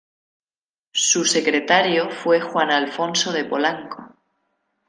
Su secretario fue Juan Alfonso de Polanco.